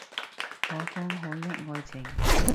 可歌可泣愛情